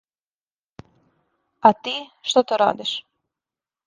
А ти, шта то радиш?